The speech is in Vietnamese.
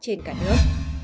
trên cả nước